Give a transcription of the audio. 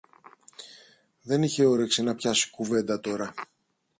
δεν είχε όρεξη να πιάσει κουβέντα τώρα